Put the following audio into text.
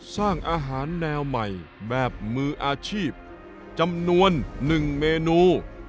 สร้างอาหารแนวใหม่แบบมืออาชีพจำนวน๑เมนู